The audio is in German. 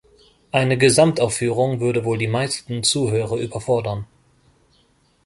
Eine Gesamtaufführung würde wohl die meisten Zuhörer überfordern.